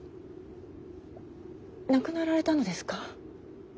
亡くなられたのですか？